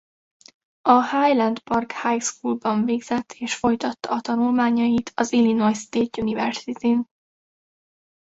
A Highland Park High Schoolban végzett és folytatta a tanulmányait az Illinois State University-n.